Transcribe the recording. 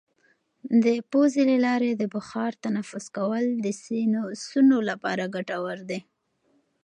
د پوزې له لارې د بخار تنفس کول د سینوسونو لپاره ګټور دي.